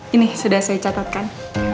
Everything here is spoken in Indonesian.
ini sudah saya catatkan